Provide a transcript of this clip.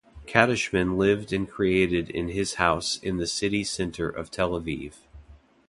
Kadishman lived and created in his house in the city center of Tel Aviv.